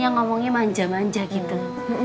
yang ngomongnya manjam manja gitu